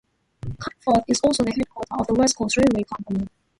Carnforth is also the headquarters of the West Coast Railway Company.